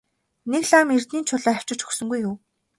Нэг лам эрдэнийн чулуу авчирч өгсөнгүй юу?